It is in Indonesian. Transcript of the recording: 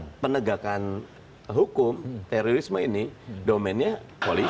karena penegakan hukum terorisme ini domennya polisi